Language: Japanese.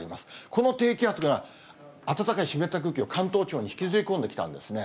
この低気圧が、暖かい湿った空気を関東地方に引きずり込んできたんですね。